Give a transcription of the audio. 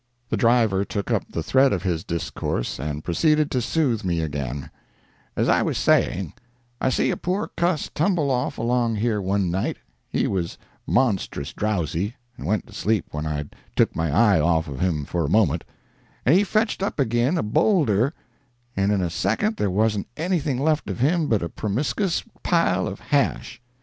The driver took up the thread of his discourse and proceeded to soothe me again: "As I was a saying, I see a poor cuss tumble off along here one night—he was monstrous drowsy, and went to sleep when I'd took my eye off of him for a moment—and he fetched up agin a boulder, and in a second there wasn't anything left of him but a promiscus pile of hash!